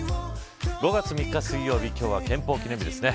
５月３日水曜日今日は憲法記念日ですね。